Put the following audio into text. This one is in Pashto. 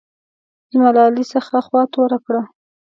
زما له علي څخه خوا توره کړه.